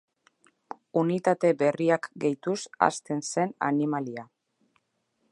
Unitate berriak gehituz hazten zen animalia.